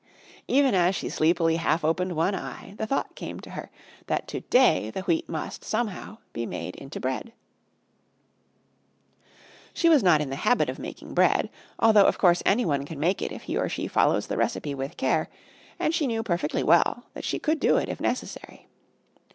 Even as she sleepily half opened one eye, the thought came to her that to day that Wheat must, somehow, be made into bread. She was not in the habit of making bread, although, of course, anyone can make it if he or she follows the recipe with care, and she knew perfectly well that she could do it if necessary.